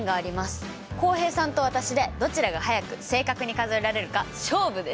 浩平さんと私でどちらが速く正確に数えられるか勝負です。